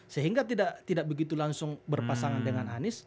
sehingga tidak begitu langsung berpasangan dengan anies